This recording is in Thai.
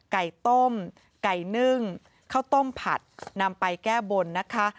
ไก่ต้มไก่นึ่งข้าวต้มผัดนำไปแก้บนนะคะ